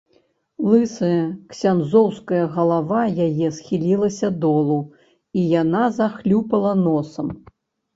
Лысая ксяндзоўская галава яе схілілася долу, і яна захлюпала носам.